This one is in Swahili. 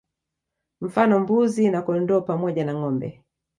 Mfano Mbuzi na Kondoo pamoja na Ngombe